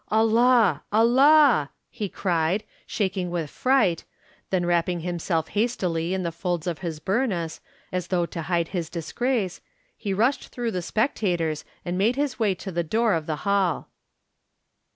'Allah! Allah!' he cried, shaking with fright, then wrapping him self hastily in the folds of his burnous, as though to hide his disgrace. he rushed through the spectators, and made his way to the door ot the hall."